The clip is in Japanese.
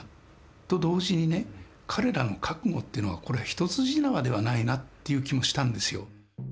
と同時にね彼らの覚悟っていうのはこれは一筋縄ではないなっていう気もしたんですよ。